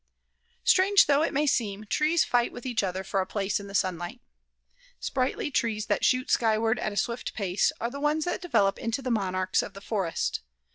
Strange though it may seem, trees fight with each other for a place in the sunlight. Sprightly trees that shoot skyward at a swift pace are the ones that develop into the monarchs of the forest.